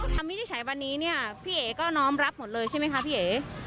วินิจฉัยวันนี้เนี่ยพี่เอ๋ก็น้อมรับหมดเลยใช่ไหมคะพี่เอ๋